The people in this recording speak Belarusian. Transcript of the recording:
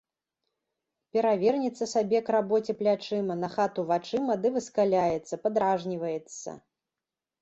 Перавернецца сабе к рабоце плячыма, на хату вачыма ды выскаляецца, падражніваецца.